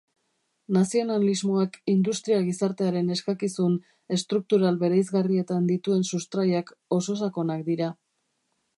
Nazionalismoak industria-gizartearen eskakizun estruktural bereizgarrietan dituen sustraiak oso sakonak dira.